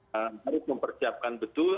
harus mempersiapkan betul